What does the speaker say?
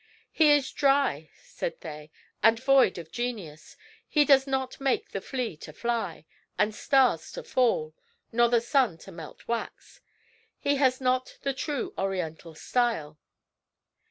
"He is dry." said they, "and void of genius: he does not make the flea to fly, and stars to fall, nor the sun to melt wax; he has not the true Oriental style."